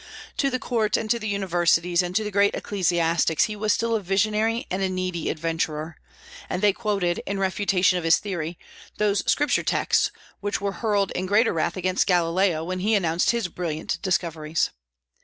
To the court and to the universities and to the great ecclesiastics he was still a visionary and a needy adventurer; and they quoted, in refutation of his theory, those Scripture texts which were hurled in greater wrath against Galileo when he announced his brilliant discoveries.